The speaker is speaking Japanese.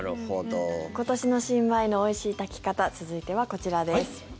今年の新米のおいしい炊き方続いてはこちらです。